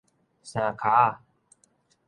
三跤仔